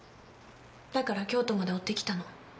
だから京都まで追ってきたの。